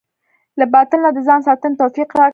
له باطل نه د ځان ساتنې توفيق راکړه.